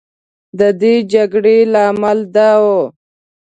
د دې جګړې لامل دا و.